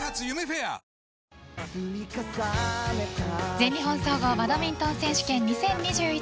全日本総合バドミントン選手権２０２１